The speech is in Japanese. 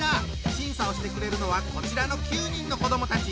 審査をしてくれるのはこちらの９人の子どもたち！